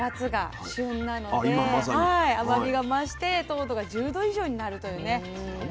甘みが増して糖度が１０度以上になるというね。